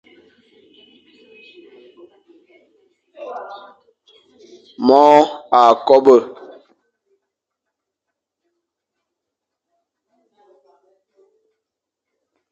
Môr a kobe.